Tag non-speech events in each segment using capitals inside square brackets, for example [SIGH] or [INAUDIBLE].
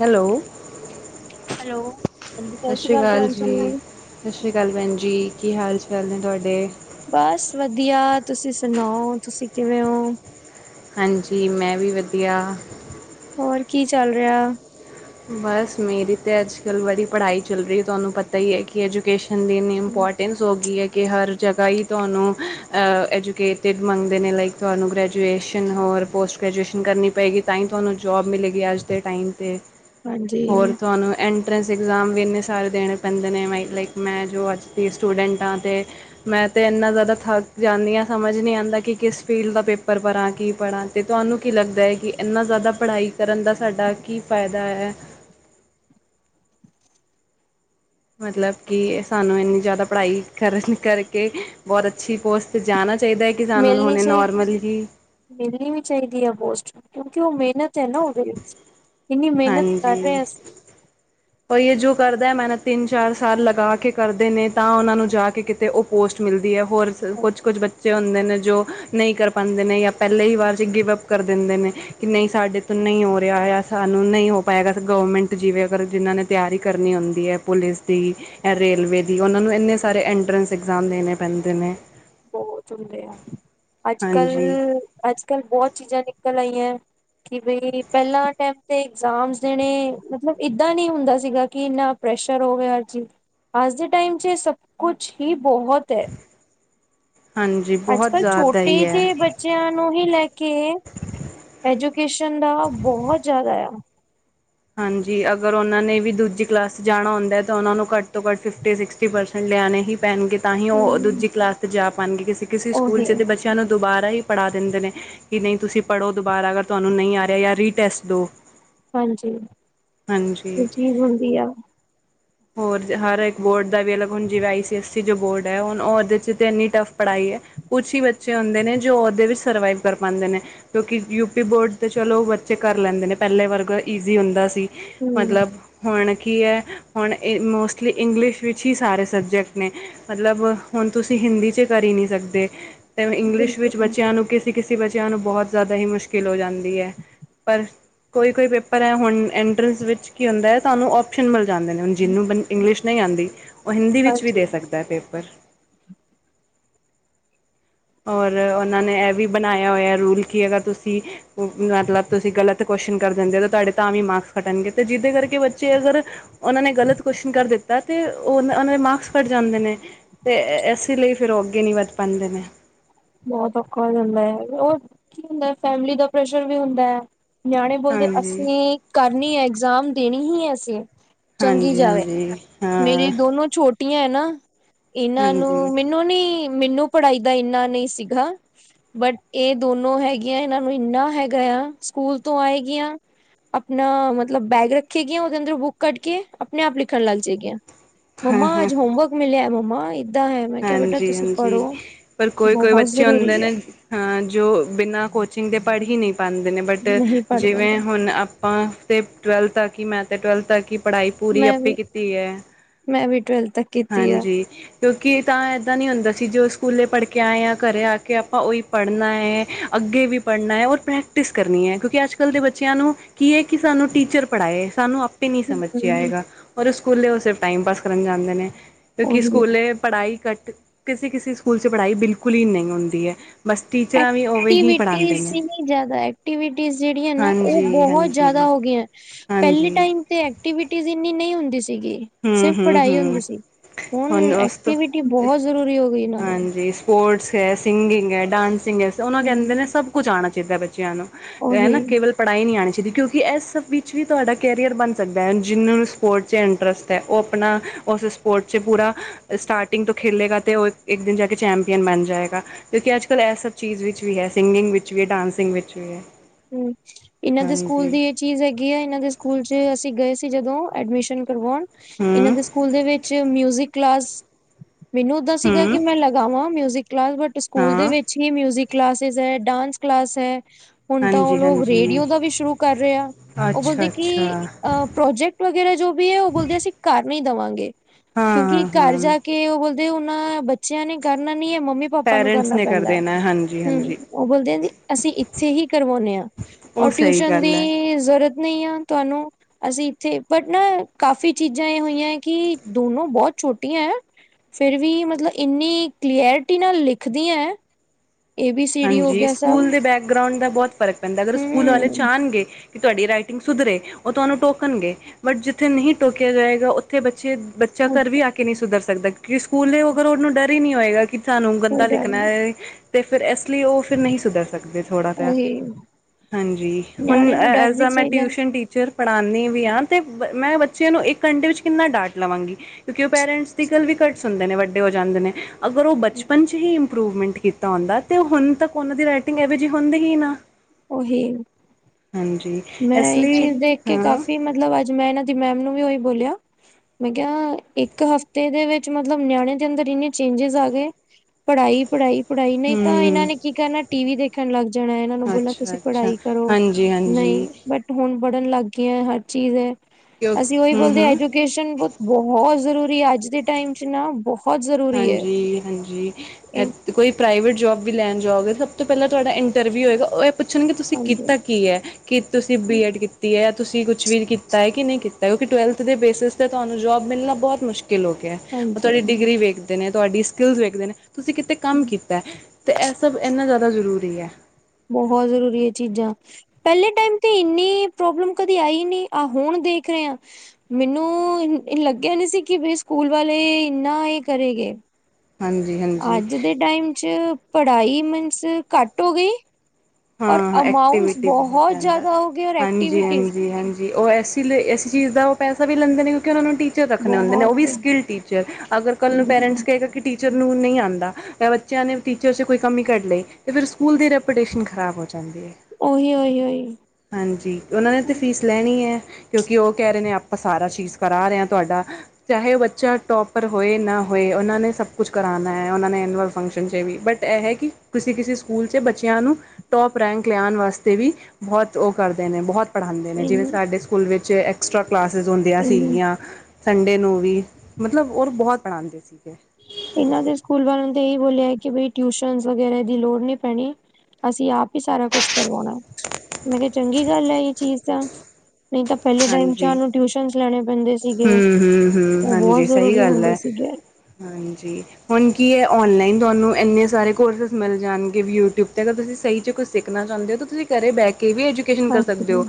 Hello. Hello, ਹਾਂਜੀ ਸਤਿ ਸ਼੍ਰੀ ਅਕਾਲ ਭੈਣ ਜੀ। ਸਤਿ ਸ਼੍ਰੀ ਅਕਾਲ ਭੈਣ ਜੀ, ਕੀ ਹਾਲ ਚਾਲ ਨੇ ਤੁਹਾਡੇ। ਬਸ ਵਧੀਆ, ਤੁਸੀ ਸੁਨਾਓ ਤੁਸੀ ਕਿਵੇਂ ਓ। ਹਾਂਜੀ, ਮੈਂ ਵੀ ਵਧੀਆ। ਹੋਰ ਕੀ ਚਲ ਰਿਹਾ। ਬਸ ਮੇਰੀ ਤੇ ਅਜ ਕਲ ਬੜੀ ਪੜਾਈ ਚਲ ਰੀ ਏ ਤੁਹਾਨੂੰ ਪਤਾ ਈਏ ਕਿ ਐਜੂਕੇਸ਼ਨ ਦੀ ਇਨੀ ਇੰਪੋਰਟੈਂਸ ਹੋਗੀ ਏ ਕਿ ਹਰ ਜਗਾ ਹੀ ਤੁਹਾਨੂੰ, ਅ ਐਜੂਕੇਟਿਡ ਮੰਗਦੇ ਨੇ ਲਾਈਕ ਤੁਹਾਨੂੰ ਗ੍ਰੈਜੂਏਸ਼ਨ ਹੋਰ ਪੋਸਟ ਗ੍ਰੈਜੂਏਸ਼ਨ ਕਰਨੀ ਪਏਗੀ ਤਾਂ ਈ ਤੁਹਾਨੂੰ ਜੋਬ ਮਿਲੇਗੀ ਅਜ ਦੇ ਟਾਈਮ ਤੇ ਹਾਂਜੀ ਹੋਰ ਤੁਹਾਨੂੰ ਐਂਟਰੈਂਸ ਇਗਜ਼ਾਮ ਵੀ ਇਨੇ ਸਾਰੇ ਦੇਣੇ ਪੈਂਦੇ ਨੇ ਮਾਈ ਲਾਈਕ ਮੈਂ ਜੋ ਅਜ ਦੀ ਸਟੂਡੈਂਟਾਂ ਤੇ ਮੈਂ ਤਾਂ ਏਨਾ ਜਿਆਦਾ ਥੱਕ ਜਾਂਨੀ ਆਂ ਸਮਝ ਨੀ ਆਂਦਾ ਕਿ ਕਿਸ ਫੀਲਡ ਦਾ ਪੇਪਰ ਪਰਾਂ, ਕੀ ਪੜਾ। ਤੇ ਤੁਹਾਨੂੰ ਕੀ ਲਗਦੈ ਕਿ ਇਨਾ ਜਾਦਾ ਪੜਾਈ ਕਰਨ ਦਾ ਸਾਡਾ ਕੀ ਫਾਇਦਾ ਹੈ। ਮਤਲਬ ਕਿ ਸਾਨੂੰ ਇੰਨੀ ਜ਼ਿਆਦਾ ਪੜ੍ਹਾਈ ਕਰਨ ਕਰਕੇ ਬਹੁਤ ਅੱਛੀ ਪੋਸਟ 'ਤੇ ਜਾਣਾ ਚਾਹੀਦਾ। ਕਿ ਸਾਨੂੰ ਮਿਲਣੀ ਹੁਣ ਚਾਹੀਦੀ ਨੋਰਮਲ ਏ। ਹੀ ਮਿਲਣੀ ਵੀ ਚਾਹੀਦੀ ਹੈ ਪੋਸਟ ਕਿਉਂਕਿ ਉਹ ਮਿਹਨਤ ਹੈ ਨਾ ਉਹਦੇ ਵਿੱਚ। ਕਿੰਨੀ ਮਿਹਨਤ ਕਰ ਰਹੇ ਅਸੀਂ ਓਈਏ ਜੋ ਕਰਦੈ ਮ੍ਹੈਨਤ ਤਿੰਨ, ਚਾਰ ਸਾਲ ਲਗਾ ਕੇ ਕਰਦੇ ਨੇ ਤਾਂ ਓਨਾਂ ਨੂ ਜਾ ਕੇ ਕਿਤੇ ਓ ਪੋਸਟ ਮਿਲਦੀਏ। ਹੋਰ ਫੇ ਕੁੱਛ, ਹਾਂਜੀ, ਕੁਛ ਬੱਚੇ ਹੋਂਦੇ ਨੇ ਜੋ ਨਈ ਕਰ ਪਾਂਦੇ ਨੇ ਯਾ ਪੈਲੇ ਈ ਵਾਰ ਚ ਗਿਵਅਪ ਕਰ ਦੇਂਦੇ ਨੇ, ਕਿ ਨਈ ਸਾਡੇ ਤੋ ਨਈ ਹੋ ਰੇਆ ਯਾ ਸਾਨੂ ਨਈ ਹੋ ਪਾਏਗਾ ਗਵਰਮੈਂਟ ਜਿਵੇਂ, ਅਗਰ ਜਿੱਨਾ ਨੇ ਤੇਆਰੀ ਕਰਨੀ ਹੁੰਦੀ ਐ ਪੁਲਿਸ ਦੀ ਏ ਰੇਲਵੇ ਦੀ ਓਨਾਂ ਨੂ ਏਨੇ ਸਾਰੇ ਐਂਟਰੈਂਸ ਏਗਜ਼ਾਮ ਦੇਨੇ ਪੈਂਦੇ ਨੇ। ਬੋਤ ਚਗੇ ਆ, ਅੱਜ-ਕਲ, ਹਾਂਜੀ ਅੱਜ-ਕੱਲ ਬੋਤ ਚੀਜ਼ਾਂ ਨਿਕਲ ਆਈਆਂ ਕਿ ਬਈ, ਪ੍ਹੈਲਾਂ ਟਾਈਮ ਤੇ ਇਗਜ਼ਾਮਸ ਦੇਣੇ, ਮਤਲਬ ਇਦਾਂ ਨੀ ਹੁੰਦਾ ਸੀਗਾ ਕਿ ਇਨਾ ਪ੍ਰੈਸ਼ਰ ਹੋਗੇਆ ਜੀ, ਅਜ ਦੇ ਟਾਈਮ ਚ ਏ ਸਬ ਕੁਛ ਹੀ ਬਹੁਤ। ਹਾਂਜੀ ਬਹੁਤ ਅੱਜ-ਕਲ ਜ਼ਿਆਦਾ ਹੀ ਛੋਟੇ ਹੈ ਜੇ ਬ ਬੱਚੇਆਂ ਨੂ ਹੀ ਲੈ ਕੇ ਐਜੂਕੇਸ਼ਨ ਦਾ ਬਹੁਤ ਜਾਦਾ ਆ। ਹਾਂਜੀ, ਅਗਰ ਓਨਾਂ ਨੇ ਵੀ ਦੂਜੀ ਕਲਾਸ ਚ ਜਾਣਾ ਹੁੰਦਾ ਤਾ ਓਨਾਂ ਨੂ ਘੱਟ ਤੋਂ ਘੱਟ ਫਿਫਟੀ, ਸਿਕਸਟੀ ਪਰਸੈਂਟ ਲੇਆਨੇ ਹੀ ਪੈਨਗੇ ਤਾਂ ਹੀ ਓ ਹੂੰ। ਦੂੱਜੀ ਕਲਾਸ ਤੇ ਜਾ ਪਾਨਗੇ ਕਿਸੀ, ਕਿਸੀ ਸੂਕੂਲਚ ਉਹੀ ਤੇ ਬਚ ਬੱਚੇਆਂ ਨੂ ਦੁਬਾਰਾ ਹੀ ਪੜਾ ਦੇਂਦੇ ਨੇ ਕਿ ਨਈ ਤੂਸੀ ਪੜੋ ਦੁਬਾਰਾ ਅਗਰ ਤੁਹਾਨੂ ਨਈ ਆ ਰੇਆ ਯਾ ਰੀਟੈਸਟ ਦੋ। ਹਾਂਜੀ। ਹਾਂਜੀ। ਚੀਜ਼ ਹੁੰਦੀ ਆ ਹੋਰ ਹਰ ਏਕ ਬ੍ਰੋਡ ਦਾ ਵੀ ਅਲਗ ਹੁਨ ਜਿਵੇਂ, ਆਈ ਸੀ ਐਸ ਸੀ ਜੋ ਬੋ੍ਡ ਹੈ ਓ ਹੁਨ ਏਦੇ ਚ ਤੇ ਇਨੀ ਟੱਫ ਪਢਾਈ ਐ। ਕੁੱਛ ਈ ਬੱਚੇ ਹੋਂਦੇ ਨੇ ਜੋ ਓਦੇ ਵਿਚ ਸਰਵਾਈਵ ਕਰ ਪਾਂਦੇ ਨੇ ਕਿਉਂਕਿ ਯੂਪੀ ਬੋ੍ਡ ਤੇ ਚਲੋ ਬੱਚੇ ਕਰ ਲੈਂਦੇ ਨੇ ਪੈਲੇ ਵਰਗਾ ਈਜ਼ੀ ਹੁੰਦਾ ਸੀ, ਹੂੰ। ਮਤਲਬ ਹੁਣ ਕੀ ਏ, ਹੁਣ ਇ ਮੋਸਟਲੀ ਇੰਗਲਿਸ਼ ਵਿੱਚ ਹੀ ਸਾਰੇ ਸਬਜੈਕਟ ਨੇ। ਮਤਲਬ, ਹੁਨ ਤੂਸੀ ਹਿੰਦੀ ਚ ਕਰਈ ਨੀ ਸਕਦੇ, ਤੇ ਇੰਗਲਿਸ਼ ਵਿੱਚ ਬਿਲਕੁਲ। ਬੱਚੇ ਆਂ ਨੂ ਕਿਸ ਕਿਸੀ ਬੱਚੇਆਂ ਨੂੰ ਬਹੁਤ ਜਾਦਾ ਹੀ ਮੁਸ਼ਕਿਲ ਹੋ ਜਾਂਦੀ ਏ, ਪਰ ਕੋਈ, ਕੋਈੇ ਪੇਪ ਪਰ ਏ ਹੁਣ, ਐਂਟਰੈਂਸ ਵਿਚ ਕੀ ਹੁੰਦਾ ਤੂਆਨੂ ਓਪ ਸ਼ਨ ਮਿਲ ਜਾਂਦੇ ਨੇ, ਹੁਨ ਜਿਨੂ ਇੰਗਲਿਸ਼ ਨਈ ਆਂਦੀ, ਓ ਹਿੰਦੀ ਵਿਚ ਵੀ ਹਾਂਜੀ ਦੇ ਸਕਦੈ ਪੇਪਰ। ਔਰ ਓਨਾਂ ਨੇ ਏ ਵੀ ਬਨਾਇਆ ਹੋਇਆ ਰੂਲ ਕੀ ਅਗਰ ਤੂਸੀ ਮਤਲਬ ਤੂਸੀ ਗਲਤ ਕੋਸ਼ਨ ਕਰ ਦੇਂਦੇ ਓ ਤੇ ਤੂਆਡੇ ਤਾਂ ਵੀ ਮਾਕ੍ਰਸ ਕਟਣਗੇ, ਤੇ ਜਿਦੇ ਕਰਕੇ ਬੱਚੇ ਅਗਰ ਓਨਾਂ ਨੇ ਗਲਤ ਕੋਸ਼ਨ ਕਰ ਦਿਤਾ ਤੇ, ਓ ਓਨਾਂ ਦੇ ਮਾਕ੍ਰਸ ਕਟ ਜਾਂਦੇ ਨੇ ਤੇ ਏਸੀ ਲਈ ਫਿਰ ਓ ਅਗੇ ਨੀ ਵੱਦ ਪਾਂਦੇ ਨੇ। ਬੋਹਤ ਔਖਾ ਹੋ ਜਾਂਦੈ, ਓ ਕੀ ਹੁੰਦੈ ਫੈਮਿਲੀ ਦਾ ਪ੍ਰੈਸ਼ਰ ਵੀ ਹੁੰਦੈ। ਨਿਆਣੇ ਬੋਲਦੇ ਹਾਂਜੀ ਅਸੀਂ ਕਰਨੀ ਏ ਇਗਜ਼ਾਮ ਦੇਣੀ ਈ ਹੈ, ਅਸੀ। ਚੰਗੀ ਹਾਂਜੀ ਜਾਵੇ, ਹਾਂਜੀ ਹਾਂ ਮੇਰੇ ਦੋਨੋ ਛੋਟੇ ਛਟੀਆਂ ਨਾ, ਇਹਨਾਂ ਨੂੰ ਹਾਂਜੀ ਮੈਨੂੰ ਨੀ ਮੈਨੂੰ ਪੜ੍ਹਾਈ ਦਾ ਇੰਨਾ ਨਹੀਂ ਸੀਗਾ। ਬਟ ਇਹ ਦੋਨੋ ਹੈਗੀਆਂ, ਇਹਨਾਂ ਨੂੰ ਇੰਨਾ ਹੈਗਾ ਆ ਸਕੂਲ ਤੋਂ ਆਏਗੀਆਂ। ਆਪਣਾ ਮਤਲਬ ਬੈਗ ਰੱਖੇਗੀਆਂ, ਉਹਦੇ ਅੰਦਰੋਂ ਬੁੱਕ ਕੱਢ ਕੇ ਆਪਣੇ ਆਪ ਲਿਖਣ ਲੱਗ ਜਾਏਗੀਆਂ। ਮੰਮਾ ਅੱਜ ਹੋਮਵਰਕ ਮਿਲਿਆ ਮੰਮਾ ਏਦਾਂ ਹੈ ਮੈਂ ਕਿਹਾ ਬੇਟਾ ਹਾਂਜੀ, ਤੁਸੀਂ ਹਾਂਜੀ ਪੜ੍ਹੋ ਪਰ ਕੋਈ, ਕੋਈ ਬ ਬਹੁਤ ਬੱਚੇ ਜ਼ਰੂਰੀ ਹੁੰਦੇ ਹੈ ਨੇ ਹਾਂ ਜੋ ਬਿਨਾਂ ਕੋਚਿੰਗ ਦੇ ਪੜ੍ਹ ਹੀ ਨਹੀਂ ਪਾਉਂਦੇ ਨੇ ਬਟ ਨਹੀਂ ਪੜ੍ਹ ਜਿਵੇਂ ਪਾਉਂਦੇ ਹੁਣ ਆਪਾਂ ਤਾਂ ਟਵੈਲਥ ਆ ਕਿ ਮੈਂ ਟਵੈਲਥ ਆ ਕਿ ਪੜ੍ਹਾਈ ਪੂਰੀ ਮੈਂ ਆਪੇ ਵੀ ਕੀਤੀ ਹੈ ਮੈਂ ਵੀ ਟਵੈਲਥ ਤੱਕ ਕੀਤੀ ਆ ਹਾਂਜੀ। ਕਿ ਤਾਂ ਇੱਦਾਂ ਨਹੀਂ ਹੁੰਦਾ ਸੀ, ਜੋ ਸਕੂਲੇ ਪੜ੍ਹ ਕੇ ਆਏ ਆ ਘਰ ਆ ਕੇ ਆਪਾਂ ਉਹੀ ਪੜ੍ਹਨਾ ਹੈ ਅੱਗੇ ਵੀ ਪੜ੍ਹਨਾ ਹੈ ਔਰ ਪ੍ਰੈਕਟਿਸ ਕਰਨੀ ਹੈ, ਕਿਉਂਕਿ ਅੱਜ-ਕੱਲ੍ਹ ਦੇ ਬੱਚਿਆਂ ਨੂੰ ਕੀ ਹੈ, ਕਿ ਸਾਨੂੰ ਟੀਚਰ ਪੜ੍ਹਾਏ ਸਾਨੂੰ ਆਪ ਨਹੀਂ ਸਮਝ ਕੇ ਹਮ ਆਏਗਾ, ਔਰ ਸਕੂਲੇ ਉਹ ਸਿਰਫ ਟਾਈਮ ਪਾਸ ਕਰਨ ਜਾਂਦੇ ਨੇ ਕਿਉਂਕਿ ਉਹੀ ਸਕੂਲੇ ਪੜ੍ਹਾਈ ਘਟ ਕਿਸੇ ਕਿਸੇ ਸਕੂਲ 'ਚ ਪੜ੍ਹਾਈ ਬਿਲਕੁਲ ਹੀ ਨਹੀਂ ਹੁੰਦੀ ਹੈ। ਬਸ ਟੀਚਰਾਂ ਵੀ ਉਵੇਂ ਹੀ ਪੜ੍ਹਾਉਂਦੇ ਐਕਟੀਵਿਟੀਜ਼ ਨੇ ਹੀ ਨਹੀਂ ਜਿਆਦਾ, ਐਕਟੀਵਿਟੀ ਜਿਹੜੀਆਂ ਨਾ ਉਹ ਹਾਂਜੀ ਬਹੁਤ ਹਾਂਜੀ ਜ਼ਿਆਦਾ ਹੋ ਗਈਆਂ। ਪਹਿਲੀ ਹਾਂਜੀ ਟਾਈਮ ਤੇ ਐਕਟੀਵਿਟੀ ਇੰਨੀ ਨਹੀਂ ਹੁੰਦੀ ਸੀਗੀ। ਹੂੰ ਸਿਰਫ ਹੂੰ ਪੜ੍ਹਾਈ ਹੁੰਦੀ ਹੂੰ ਸੀ, ਹੁਣ ਉਸ ਤੋਂ ਐਕਟੀਵਿਟੀ ਬਹੁਤ ਜ਼ਰੂਰੀ ਹੋ ਗਈ। ਇਹਨਾਂ ਨੂੰ ਹਾਂਜੀ, ਸਪੋ੍ਟਸ ਹੈ, ਸਿੰਗਿੰਗ ਏ, ਡਾਂਸਿੰਗ ਏ ਓਨਾਂ ਹਮ ਅਦਂਰ ਨਾ ਸਬ ਕੁੱਜ ਆਣਾ ਚਾਈਦਾ, ਬੱਚਿਆਂ ਨੂੰ, ਏਨਾ ਉਹੀ ਕੇਵਲ ਪਢਾਈ ਨੀ ਆਣੀ ਚਾਹੀਦੀ, ਕਿਉਂਕਿ ਏਸ ਸਬ ਵਿਚ ਵੀ ਤੂਆਡਾ ਕੈਰੀਅਰ ਬਨ ਸਕਦਾ, ਹੁਨ ਜਿਨ੍ਹਾਂ ਨੂ ਸਪੋਰਟਸ ਚ ਏੰਟ੍ਰਸਟ ਅਤੇ ਉਹ ਆਪਣਾ ਉਸ ਸਪੋਰਟਸ 'ਚ ਪੂਰਾ ਸਟਾਰਟਿੰਗ ਤੋਂ ਖੇਲੇਗਾ ਅਤੇ ਉਹ ਇੱਕ ਦਿਨ ਜਾ ਕੇ ਚੈਂਪੀਅਨ ਬਣ ਜਾਏਗਾ। ਕਿਉਂਕਿ ਅੱਜ ਕੱਲ੍ਹ ਇਹ ਸਭ ਚੀਜ਼ ਵਿੱਚ ਵੀ ਹੈ ਸਿੰਗਿੰਗ ਵਿੱਚ ਵੀ ਹੈ ਡਾਂਸਿੰਗ ਵਿੱਚ ਵੀ ਹੈ। ਹੂੰ ਇਹਨਾਂ ਦੇ ਹਾਂਜੀ ਸਕੂਲ ਦੀ ਚੀਜ਼ ਹੈਗੀ ਆ ਇਹਨਾਂ ਦੇ ਸਕੂਲ ਚ ਅਸੀਂ ਗਏ ਸੀ ਜਦੋਂ ਐਡਮਿਸ਼ਨ ਕਰਵਾਉਣ ਇਹਨਾਂ ਹੂੰ ਦੇ ਸਕੂਲ ਦੇ ਵਿੱਚ ਮਿਊਜਿਕ ਕਲਾਸ ਮੈਨੂੰ ਓਦਾਂ ਸੀਗਾ ਕਿ ਹੂੰ ਮੈਂ ਲਗਾਵਾਂ ਮਿਊਜਿਕ ਕਲਾਸ ਬਟ ਸਕੂਲ ਦੇ ਹਾਂ ਵਿੱਚ ਹੀ ਮਿਊਜਿਕ ਕਲਾਸਿਸ ਹੈ ਡਾਂਸ ਕਲਾਸ ਹੈ। ਹੁਣ ਤਾਂ ਉਹ ਹਾਂਜੀ ਲੋਕ ਹਾਂਜੀ ਰੇਡੀਓ ਦਾ ਵੀ ਸ਼ੁਰੂ ਕਰ ਰਹੇ ਆ ਉਹ ਅੱਛਾ ਬੋਲਦੇ ਅੱਛਾ ਕਿ ਅ ਪ੍ਰੋਜੈਕਟ ਵਗੈਰਾ ਜੋ ਵੀ ਹੈ ਉਹ ਬੋਲਦੇ ਅਸੀਂ ਘਰ ਨਹੀਂ ਦੇਵਾਂਗੇ ਹਾਂ ਕਿਉਂਕਿ ਹਾਂ ਘਰ ਹਾਂ। ਜਾ ਕੇ ਕੇ ਉਹ ਬੋਲਦੇ ਉਹਨਾਂ ਬੱਚਿਆਂ ਨੇ ਕਰਨਾ ਨੀ ਹੈ ਮੰਮੀ ਪਾਪਾ ਨੂੰ ਪੈਰੈਂਟਸ ਕਰਨਾ ਨੇ ਕਰ ਪੈਂਦਾ ਹੈ। ਦੇਣਾ ਹਾਂਜੀ ਹੂੰ, ਹਾਂਜੀ ਉਹ ਬੋਲਦੇ ਆ ਅਸੀਂ ਇੱਥੇ ਹੀ ਕਰਵਾਉਦੇ ਹਾ। ਉਹ ਔਰ ਸਹੀ ਟਿਊਸ਼ਨ ਗੱਲ ਹੈ ਦੀ ਜ਼ਰੂਰਤ ਨਹੀਂ ਆ ਤੁਹਾਨੂੰ ਅਸੀਂ ਇੱਥੇ ਬਟ ਨਾ ਕਾਫ਼ੀ ਚੀਜ਼ਾਂ ਇਹ ਹੋਈਆਂ ਕਿ ਦੋਨੋ ਬਹੁਤ ਛੋਟੀਆਂ ਆ। ਫਿਰ ਵੀ ਮਤਲਬ ਇੰਨੀ ਕਲੀਰਿਟੀ ਨਾਲ ਲਿਖਦੀ ਹਾਂ। ਹਾਂਜੀ ਸਕੂਲ ਦੇ ਬੈਕਗਰਾਡ ਦਾ ਬਹੁਤ ਫ਼ਰਕ ਪੈਂਦਾ ਅਗਰ ਸਕੂਲ ਵਾਲੇ ਹੂੰ, ਚਾਹਣਗੇ ਕਿ ਤੁਹਾਡੀ ਰਾਈਟਿੰਗ ਸੁਧਰੇ ਉਹ ਤੁਹਾਨੂੰ ਟੋਕਣਗੇ ਬਟ ਜਿੱਥੇ ਨਹੀਂ ਟੋਕਿਆ ਜਾਏਗਾ ਉੱਥੇ ਬੱਚੇ ਬੱਚਾ ਘਰ ਵੀ ਆ ਕੇ ਨਹੀਂ ਸੁਧਰ ਸਕਦਾ ਕਿਉਂਕਿ ਸਕੂਲੋ ਅਗਰ ਉਹਨੂੰ ਨੂੰ ਡਰ ਹੀ ਨਹੀਂ ਹੋਏਗਾ ਕਿ ਸਾਨੂੰ ਕੋਈ ਗੰਦਾ ਡਰ ਲਿਖਣਾ ਨਹੀਂ ਹੈ ਤੇ ਫਿਰ ਇਸ ਲਈ ਉਹ ਫਿਰ ਨਹੀਂ ਸੁਧਰ ਸਕਦੇ ਥੋੜਾ ਜਿਹਾ। ਉਹੀ ਹਾਂਜੀ, ਹੁਣ ਨਿਆਣੇ ਨੂੰ ਡਰ ਏਜ ਵੀ ਆ ਚਾਹੀਦਾ ਹੈ। ਟਿਊਸ਼ਨ ਟੀਚਰ ਪੜ੍ਹਾਣੀ ਵੀ ਹਾਂ ਤੇ ਬ ਮੈਂ ਬੱਚਿਆਂ ਨੂੰ ਇੱਕ ਘੰਟੇ ਵਿੱਚ ਕਿੰਨਾ ਡਾਟ ਲਵਾਂਗੀ। ਕਿਉਂਕਿ ਉਹ ਪੇਰੈਂਟਸ ਦੀ ਗੱਲ ਵੀ ਘੱਟ ਸੁਣਦੇ ਨੇ ਵੱਡੇ ਹੋ ਜਾਂਦੇ ਨੇ ਅਗਰ ਉਹ ਬਚਪਨ 'ਚ ਹੀ ਇਮਪਰੂਵਮੈਂਟ ਕੀਤਾ ਹੁੰਦਾ। ਤੇ ਹੁਣ ਤੱਕ ਉਹਨਾਂ ਦੀ ਰਾਈਟਿੰਗ ਇਹਵੇ ਜਿਹੀ ਹੁੰਦੀ ਹੀ ਨਾ ਉਹ ਹੀ। ਹਾਂਜੀ। ਮੈਂ ਇਸ ਇਹ ਲਈ ਚੀਜ਼ ਦੇਖ ਕੇ ਹਾਂ ਕਾਫ਼ੀ ਮਤਲਬ ਅੱਜ ਮੈਂ ਇਹਨਾਂ ਦੀ ਮੈਮ ਨੂੰ ਵੀ ਉਹੀ ਬੋਲਿਆ। ਮੈਂ ਕਿਹਾ ਇੱਕ ਹਫਤੇ ਦੇ ਵਿੱਚ ਮਤਲਬ ਨਿਆਣੇ ਦੇ ਅੰਦਰ ਇੰਨੇ ਚੇਂਜਿਸ ਆ ਗਏ। ਪੜ੍ਹਾਈ, ਪੜ੍ਹਾਈ ਪੜ੍ਹਾਈ ਨਹੀਂ ਤਾਂ ਹਮ ਇਹਨਾਂ ਨੇ ਕੀ ਕਰਨਾ ਟੀ ਵੀ ਦੇਖਣ ਲੱਗ ਜਾਣਾ ਇਹਨਾਂ ਨੂੰ ਬੋਲਨਾ ਅੱਛਾ ਤੁਸੀਂ ਅੱਛਾ ਪੜ੍ਹਾਈ ਕਰੋ। ਹਾਂਜੀ ਹਾਂਜੀ ਨਹੀਂ ਬਟ ਹੁਣ ਪੜਨ ਲੱਗ ਗਿਆਂ ਹਰ ਚੀਜ਼ ਹੈਂ ਕਿਉਂ ਅਸੀਂ ਉਹੀ ਹਮ ਬੋਲਦੇ ਐ ਹਮ ਐਜੂਕੇਸ਼ਨ ਬਹੁਤ ਜ਼ਰੂਰੀ ਅੱਜ ਦੇ ਟਾਈਮ ਚ ਨਾਂ ਬਹੁਤ ਜ਼ਰੂਰੀ ਹੈ। ਹਾਂਜੀ ਹਾਂਜੀ ਐ ਕੋਈ ਪ੍ਰਾਈਵੇਟ ਜੋਬ ਵੀ ਲੈਣ ਜਾਓਗੇ ਸਭ ਤੋਂ ਪਹਿਲਾਂ ਤੁਹਾਡਾ ਇੰਟਰਵਿਊ ਹੋਏਗਾ ਉਹ ਪੁੱਛਣਗੇ ਤੁਸੀਂ ਹਾਂਜੀ, ਕੀਤਾ ਕੀ ਹੈ ਕੀ ਤੁਸੀਂ ਬੀ ਐਡ ਕੀਤੀ ਹੈ ਤੁਸੀਂ ਕੁਛ ਵੀ ਕੀਤਾ ਹੈ ਕਿ ਨਹੀਂ ਕੀਤਾ ਕਿਉਂਕਿ ਟਵੈਲਥ ਦੇ ਬੇਸਿਸ 'ਤੇ ਤੁਹਾਨੂੰ ਜੋਬ ਮਿਲਣਾ ਬਹੁਤ ਮੁਸ਼ਕਿਲ ਹੋ ਗਿਆ। ਉਹ ਹਾਂਜੀ ਤੁਹਾਡੀ ਡਿਗਰੀ ਵੇਖਦੇ ਨੇ ਤੁਹਾਡੀ ਸਕਿੱਲਸ ਵੇਖਦੇ ਨੇ ਤੁਸੀਂ ਕਿਤੇ ਕੰਮ ਕੀਤਾ। ਤੇ ਇਹ ਸਭ ਇੰਨਾ ਜ਼ਿਆਦਾ ਜ਼ਰੂਰੀ ਐ। ਬਹੁਤ ਜ਼ਰੂਰੀ ਹੈਂ ਇਹ ਚੀਜ਼ਾਂ। ਪਹਿਲੇ ਟਾਈਮ ਤੇ ਇੰਨੀ ਪ੍ਰੋਬਲਮ ਕਦੇਂ ਆਈ ਨਹੀਂ ਆਹ ਹੁਣ ਦੇਖ ਰਹੇਂ ਆ। ਮੈਨੂੰ ਲੱਗਿਆ ਨਹੀਂ ਸੀ ਕਿ ਸਕੂਲ ਵਾਲੇ ਇੰਨਾ ਇਹ ਕਰੇਂ ਗੇ। ਹਾਂਜੀ ਹਾਂਜੀ। ਅੱਜ ਦੇ ਟਾਈਮ ਚ ਪੜ੍ਹਾਈ ਮੀਨਸ ਘੱਟ ਹੋ ਗਈ। ਔਰ ਹਾਂ ਅਮਾਊਂਟਸ ਐਕਟੀਵਿਟੀ ਬਹੁਤ ਜ਼ਿਆਦਾ ਹੋ ਗਿਆ ਐਕਟੀਵਿਟੀਜ਼ ਜੀ ਉਹ ਐਸੀ ਲਈ ਐਸੀ ਚੀਜ਼ ਦਾ ਉਹ ਪੈਸਾ ਵੀ ਲੈਂਦੇ ਨੇ ਕਿਉਂਕਿ ਉਹਨਾਂ ਨੂੰ ਟੀਚਰ ਰੱਖਣੇ ਹੁੰਦੇ ਨੇ ਉਹ ਬਹੁਤ ਵੀ ਸਕਿੱਲ ਟੀਚਰ ਅਗਰ ਕੱਲ ਨੂੰ ਪੈਰਟਸ ਕਹੇਂਗਾ ਕਿ ਟੀਚਰ ਨੂੰ ਨਹੀਂ ਆਉਂਦਾ ਜਾਂ ਬੱਚਿਆਂ ਨੇ ਟੀਚਰ 'ਚ ਕੋਈ ਕਮੀ ਕੱਢ ਲਈ ਅਤੇ ਫਿਰ ਸਕੂਲ ਦੀ ਰੈਪੂਟੇਸ਼ਨ ਖ਼ਰਾਬ ਹੋ ਜਾਂਦੀ ਏ ਉਹੀ, ਓਹੀ, ਓਹੀ ਹਾਂਜੀ ਉਹਨਾਂ ਨੇ ਤਾਂ ਫੀਸ ਲੈਣੀ ਏ ਕਿਉਂਕਿ ਉਹ ਕਹਿ ਰਹੇ ਨੇ ਆਪਾਂ ਸਾਰਾ ਚੀਜ ਕਰਾ ਰਹੇ ਹਾਂ ਤੁਹਾਡਾ। ਚਾਹੇ ਉਹ ਬੱਚਾ ਟੋਪਰ ਹੋਏ ਨਾ ਹੋਏ ਉਹਨਾਂ ਨੇ ਸਭ ਕੁੱਛ ਕਰਾਉਣਾ ਹੈ ਉਹਨਾਂ ਨੇ ਐਨੂਅਲ ਫੰਕਸ਼ਨ 'ਚ ਵੀ ਬਟ ਇਹ ਹੈ ਕਿ ਕਿਸੀ-ਕਿਸੀ ਸਕੂਲ਼ ' ਚ ਬੱਚਿਆਂ ਨੂੰ ਟੋਪ ਰੈਂਕ ਲਿਆਉਣ ਵਾਸਤੇ ਵੀ ਬਹੁਤ ਉਹ ਕਰਦੇਂ ਨੇ ਬਹੁਤ ਪੜ੍ਹਾਉਂਦੇ ਨੇ ਜਿਵੇਂ ਸਾਡੇ ਸਕੂਲ ਵਿੱਚ ਐਕਸਟਰਾ ਕਲਾਸੀਸ ਹੁੰਦੀਆਂ ਸੀਗੀਆਂ ਸੰਡੇ ਨੂੰ ਵੀ, ਮਤਲਬ ਉਹ ਨਾਂ ਬਹੁਤ ਪੜ੍ਹਾਉਂਦੇ ਸੀਗੇ ਇਹਨਾਂ ਦੇ ਸਕੂਲ ਵਾਲਿਆਂ ਤੇ ਇਹੀ ਬੋਲਿਆ ਕਿ ਬ ਟਿਊਸ਼ਨ ਵਗੈਰਾ ਦੀ ਲੋੜ ਨੀਂ ਪੈਣੀ ਅਸੀਂ ਆਪ ਹੀ ਸਾਰਾ ਕੁੱਛ ਕਰਵਾਉਣਾਂ, ਮੈਂ ਕਿਹਾਂ ਚੰਗੀ ਗੱਲ ਹੈ ਇਹ ਚੀਜ਼ ਤਾਂ ਨਹੀਂ ਤਾਂ ਪਹਿਲੇ ਟਾਈਮ ਚ ਹਾਂਜੀ ਸਾਂਨੂੰ ਟਿਊਸ਼ਨ ਲੈਣੇ ਪੈਂਦੇ ਸੀਗੇ, ਹੂੰ ਹੂੰ ਹੂੰ ਉਹ ਬਹੁਤ ਹਾਂਜੀ ਸਹੀ ਜ਼ਰੂਰੀ ਗੱਲ ਹੁੰਦੇ ਹੈ ਸੀਗੇ ਹਾਂਜੀ ਹੁਣ ਕੀ ਇਹ ਔਨਲਾਈਨ ਤੁਹਾਨੂੰ ਇੰਨੇ ਸਾਰੇ ਕੋਰਸਿਸ ਮਿਲ ਜਾਣਗੇ ਯੂਟਿਊਬ ਤੇ ਅਗਰ ਤੁਸੀਂ ਸਹੀ ਚ ਕੁਛ ਸਿੱਖਣਾ ਚਾਹੁੰਦੇ ਹੋ ਤਾਂ ਤੁਸੀਂ ਘਰੇ ਬਹਿ ਕੇ ਵੀ ਐਜੂਕੇਸ਼ਨ ਕਰ ਹਾਂਜੀ ਸਕਦੇ ਹੋ,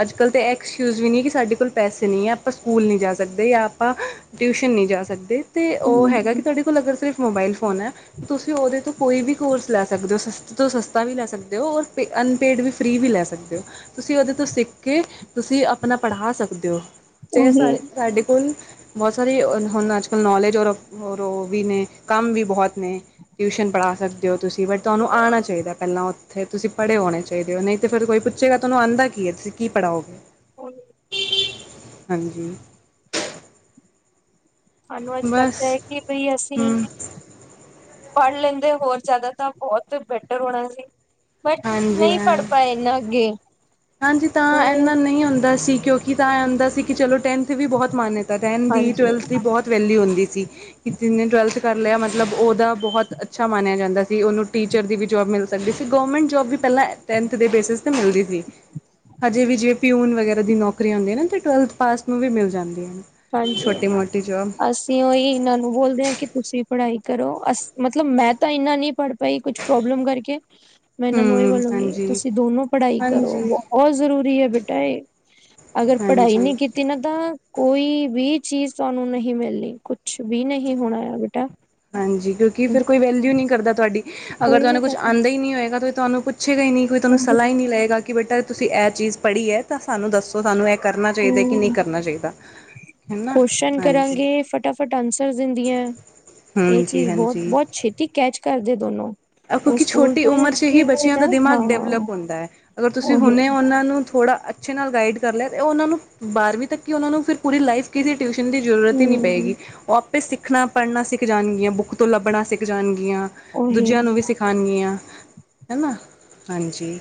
ਅੱਜ ਕੱਲ ਤਾਂ ਐਕਸਕਿਊਜ ਵੀ ਨਹੀਂ ਕਿ ਸਾਡੇ ਕੋਲ ਪੈਸੇ ਨਹੀਂ ਹੈ ਆਪਾਂ ਸਕੂਲ ਨਹੀਂ ਜਾ ਸਕਦੇ ਜਾਂ ਆਪਾਂ ਟਿਊਸ਼ਨ ਨਹੀਂ ਜਾ ਸਕਦੇ ਤੇ ਉਹ ਹਮ, ਹੈਗਾ ਕਿ ਤੁਹਾਡੇ ਕੋਲ਼ ਅਗਰ ਸਿਰਫ ਮੋਬਾਈਲ ਫੋਨ ਹੈ, ਤੁਸੀਂ ਉਹਦੇ ਤੋਂ ਕੋਈ ਵੀ ਕੋਰਸ ਲੈ ਸਕਦੇ ਹੋ ਸਸਤਾ ਤੋਂ ਸਸਤਾ ਵੀ ਲੈ ਸਕਦੇ ਹੋ ਔਰ ਅਨਪੇਡ ਵੀ ਫ੍ਰੀ ਵੀ ਲੈ ਸਕਦੇ ਹੋ ਤੁਸੀਂ ਉਹਦੇ ਤੋਂ ਸਿੱਖ ਕੇ ਤੁਸੀਂ ਆਪਣਾ ਪੜ੍ਹਾ ਸਕਦੇ ਹੋ ਤੇ ਉਹੀ ਸਾਰੇ ਸਾਡੇ ਕੋਲ ਬਹੁਤ ਸਾਰੇ ਹੁਣ ਅੱਜ ਕੱਲ੍ਹ ਨੌਲੇਜ ਔਰ, ਔਰ ਉਹ ਵੀ ਨੇ ਕੰਮ ਵੀ ਬਹੁਤ ਨੇ ਟਿਊਸ਼ਨ ਪੜ੍ਹਾ ਸਕਦੇ ਹੋ ਤੁਸੀਂ ਬਟ ਤੁਹਾਨੂੰ ਆਉਣਾ ਚਾਹੀਦਾ ਪਹਿਲਾਂ ਉੱਥੇ ਤੁਸੀਂ ਪੜ੍ਹੇ ਹੋਣੇ ਚਾਹੀਦੇ ਹੋ ਨਹੀਂ ਤਾਂ ਫਿਰ ਕੋਈ ਜਿਹੜਾ ਤੁਹਾਨੂੰ ਆਉਂਦਾ ਕੀ ਹੈ ਤੁਸੀਂ ਕੀ ਪੜ੍ਹਾਓਗੇ [INAUDIBLE] [INAUDIBLE] ਹਾਂਜੀ ਸਾਨੂੰ ਅੱਜ ਬਸ ਲੱਗਦਾ ਹੈ ਕਿ ਬਈ ਅਸੀਂ ਹਮ ਪੜ੍ਹ ਲੈਂਦੇ ਹੋਰ ਜ਼ਿਆਦਾ ਤਾਂ ਬਹੁਤ ਬੈਟਰ ਹੋਣਾਂ ਸੀ ਬਟ ਹਾਂਜੀ ਨਹੀਂ ਹਾਂ ਪੜ ਪਾਏਂ ਨਾਂ ਅੱਗ਼ੇ ਹਾਂਜੀ ਤਾਂ ਇੰਨਾ ਨਹੀਂ ਹੁੰਂਦਾ ਸੀ ਕਿਉਂਕਿ ਤਾਂ ਇਹ ਆਉਂਦਾ ਸੀ ਕਿ ਚਲੋਂ ਟੈਂਨਥ ਵੀ ਬਹੁਤ ਮਾਨਤਾ ਟੈਨ ਦੀ, ਹਾਂਜੀ ਟਵਲਥ ਦੀ ਬਹੁਤ ਵੈਲਿਊ ਹੁੰਦੀ ਸੀ ਕਿ ਜਿੰਨੇ ਟਵਲਥ ਕਰ ਲਿਆ ਮਤਲਬ ਉਹਦਾ ਬਹੁਤ ਅੱਛਾ ਮੰਨਿਆ ਜਾਂਦਾ ਸੀ ਉਹਨੂੰ ਟੀਚਰ ਦੀ ਵੀ ਜੋਬ ਮਿਲ਼ ਸਕਦੀ ਅੱਗੇ ਸੀ ਗੌਰਮੈਂਟ ਜੋਬ ਵੀ ਪਹਿਲਾਂ ਟੈਂਨਥ ਦੇ ਬੇਸਿਸ 'ਤੇ ਮਿਲਦੀ ਸੀ ਹਜੇ ਵੀ ਜੇਬੀ ਪਿਊਨ ਵਗੈਰਾ ਦੀ ਨੌਕਰੀ ਆਉਂਦੀ ਹੈ ਨਾ ਟਵਲਥ ਪਾਸ ਨੂੰ ਵੀ ਮਿਲ ਜਾਂਦੀ ਹੈ ਛੋਟੀ ਮੋਟੀ ਜੋਬ ਓਹ ਇਹਨਾਂ ਨੂੰ ਬੋਲਦੇ ਆ ਕਿ ਤੁਸੀਂ ਪੜ੍ਹਾਈ ਕਰੋ ਅ ਮਤਲਬ ਮੈਂ ਤਾਂ ਇੰਨਾ ਨਹੀਂ ਪੜ੍ਹ ਪਾਈ ਕੁਛ ਪ੍ਰੋਬਲਮ ਕਰਕੇ ਮੈਂ ਇਹਨਾਂ ਨੂੰ ਇਹ ਹਮ ਬੋਲੋਂਗੀ, ਹਾਂਜੀ ਤੁਸੀਂ ਦੋਨੋ ਪੜ੍ਹਾਈ ਕਰੋ, ਹਾਂਜੀ ਬਹੁਤ ਜ਼ਰੂਰੀ ਹੈ ਬੇਟਾ ਇਹ ਅਗਰ ਪੜ੍ਹਾਈ ਹਾਂਜੀ ਨਹੀਂ ਕੀਤੀ ਤਿੰਨ ਦਾ ਕੋਈ ਵੀ ਚੀਜ਼ ਤੁਹਾਨੂੰ ਨਹੀਂ ਮਿਲਣੀ ਕੁਛ ਵੀ ਨਹੀਂ ਹੋਣਾ ਆ ਬੇਟਾ ਹਾਂਜੀ ਕਿਉਂਕਿ ਫਿਰ ਕੋਈ ਵੈਲਿਊ ਨਹੀਂ ਕਰਦਾ ਤੁਹਾਡੀ, ਅਗਰ ਕੋਈ ਨਾ ਤੁਹਾਨੂੰ ਕੁਛ ਕਰਨਾ ਆਉਂਦਾ ਹੀ ਨਹੀਂ ਹੋਏਗਾ ਤਾਂ ਤੁਹਾਨੂੰ ਪੁੱਛੇਗਾ ਹੀ ਨਹੀਂ ਤੁਹਾਨੂੰ ਸਲਾਹ ਹੀ ਨਹੀਂ ਲਏਗਾ ਕਿ ਬੇਟਾ ਤੁਸੀਂ ਇਹ ਚੀਜ਼ ਪੜ੍ਹੀ ਹੈ ਤਾਂ ਸਾਨੂੰ ਦੱਸੋ ਸਾਨੂੰ ਇੱਕ ਕਰਨਾ ਚਾਹੀਦਾ ਕਿ ਨਹੀਂ ਹਮ ਕਰਨਾ ਚਾਹੀਦਾ ਹੈ, ਹਨਾ ਕੁਸ਼ਚਨ ਹਾਂਜੀ ਕਰਾਂਗੇ ਫਟਾਫਟ ਆਨਸਰ ਦਿੰਦੀਆਂ, ਇਹ ਹਾਂਜੀ ਚੀਜ਼ ਬਹੁਤ- ਹਾਂਜੀ ਬਹੁਤ ਛੇਤੀ ਕੈਚ ਕਰਦੇ ਦੋਨੋ ਉਹ ਕਿਉਂਕਿ ਸਕੂਲ ਛੋਟੀ ਤੋਂ ਉਮਰ 'ਚ ਅੱਛੀ ਹੀ ਖੇਡਦੇ ਬੱਚਿਆਂ ਨਾ ਦਾ ਹਾਂ ਦਿਮਾਗ ਡੈਵਲਪ ਹੁੰਦਾ ਹੈ ਅਗਰ ਤੁਸੀਂ ਉਹੀ ਹੁੰਨੇ ਉਹਨਾਂ ਨੂੰ ਥੋੜਾ ਅ ਅੱਛੇ ਨਾਲ ਗਾਈਡ ਕਰ ਲਿਆ ਉਹਨਾਂ ਨੂੰ ਬਾਰ੍ਹਵੀਂ ਤੱਕ ਕਿ ਉਹਨਾਂ ਨੂੰ ਫਿਰ ਪੂਰੀ ਲਾਈਫ ਕਿਸੇ ਟਿਊਸ਼ਨ ਦੀ ਜ਼ਰੂਰਤ ਹੀ ਨਹੀਂ ਪਏਗੀ, ਹਮ ਉਹ ਆਪੇ ਸਿੱਖਣਾ ਪੜ੍ਹਨਾ ਸਿੱਖ ਜਾਣਗੀਆਂ ਬੁੱਕ ਤੋਂ ਲੱਭਣਾ ਸਿੱਖ ਜਾਣਗੀਆਂ ਉਹੀ ਦੂਜਿਆਂ ਨੂੰ ਵੀ ਸਿਖਾਉਣਗੀਆਂ, ਹਨਾ ਹਾਂਜੀ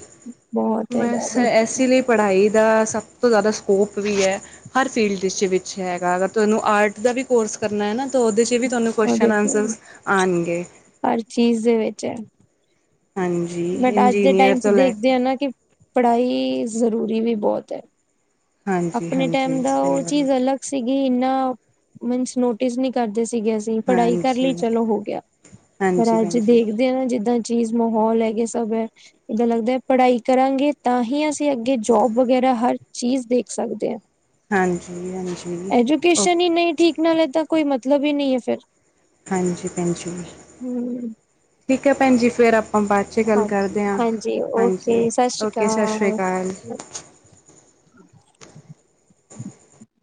ਬਹੁਤ ਹੈਗਾ ਵੈਸੇ ਬਸ ਇਸੇ ਲਈ ਪੜ੍ਹਾਈ ਦਾ ਸਭ ਤੋਂ ਜ਼ਿਆਦਾ ਸਕੋਪ ਵੀ ਹੈ ਹਰ ਫੀਲਡ ਵਿੱਚ ਹੈਗਾ ਅਗਰ ਤੁਹਾਂਨੂੰ ਆਰਟ ਦਾ ਵੀ ਕੋਰਸ ਕਰਨਾਂ ਹੈ ਨਾਂ ਉਹਦੇ 'ਚ ਵੀ ਤੁਹਾਨੂੰ ਉਹ ਕੁਸ਼ਚਨ ਦੇਖੋ ਆਨਸਰ ਆਉਂਣਗੇ ਹਰ ਚੀਜ਼ ਦੇ ਵਿੱਚ ਹਾਂਜੀ ਬਟ, ਅੱਜ ਦੇ ਇੰਜੀਨੀਅਰ ਟਾਈਮ 'ਚ ਤੋਂ ਲੈ ਦੇਖਦੇ ਕੇ ਹਾਂ ਨਾ, ਕਿ ਪੜ੍ਹਾਈ ਜ਼ਰੂਰੀ ਵੀ ਬਹੁਤ ਹੈ। ਹਾਂਜੀ ਆਪਣੇ ਹਾਂਜੀ ਟਾਈਮ ਦਾ, ਸਹੀ ਉਹ ਗੱਲ ਹੈ ਚੀਜ਼ ਅਲੱਗ ਸੀਗੀ ਇੰਨਾ ਮੀਂਸ, ਨੋਟਿਸ ਨਹੀਂ ਕਰਦੇ ਸੀਗੇ ਪੜ੍ਹਾਈ ਕਰ ਹਾਂਜੀ ਲਈ, ਹਾਂਜੀ ਚਲੋ ਹੋ ਗਿਆ, ਭੈਣ ਪਰ ਅੱਜ ਜੀ ਦੇਖਦੇ ਨਾ, ਜਿੱਦਾਂ ਚੀਜ਼ ਮਾਹੌਲ ਹੈਗੇ ਸਭ ਹੈ, ਇਦਾਂ ਲੱਗਦਾ ਹੈ, ਪੜ੍ਹਾਈ ਕਰਾਂਗੇ ਤਾਂ ਹੀ, ਅਸੀਂ ਅੱਗੇ ਜੋਬ ਵਗੈਰਾ, ਹਰ ਚੀਜ਼ ਦੇਖ ਸਕਦੇ ਹਾਂ। ਹਾਂਜੀ -ਹਾਂਜੀ, ਓ ਐਜੂਕੇਸ਼ਨ ਹੀ ਨਹੀਂ ਠੀਕ ਨਾਲ ਤਾਂ, ਕੋਈ ਮਤਲਬ ਹੀ ਨਹੀਂ ਹੈ ਫੇਰ ਹਾਂਜੀ, ਭੈਣ ਜੀ, ਠੀਕ ਹੈ ਭੈਣ ਜੀ, ਫਿਰ ਆਪ ਬਾਅਦ ਚ ਗੱਲ ਹਾਂਜੀ ਕਰਦੇ ਹਾਂ, ਹਾਂਜੀ ਹਾਂਜੀ ਓਕੇ ਸਤਿ ਸ਼੍ਰੀ ਓਕੇ ਸਤਿ ਸ਼੍ਰੀ ਅਕਾਲ।